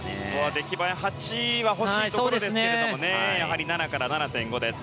出来栄え、８は欲しいところですがやはり７から７．５です。